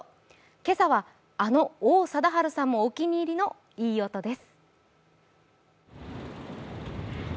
今朝は、あの王貞治さんもお気に入りのいい音です。